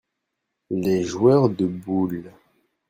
les joueurs de boules.